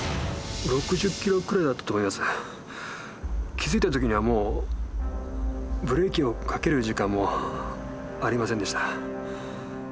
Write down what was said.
気付いたときにはもうブレーキをかける時間もありませんでした。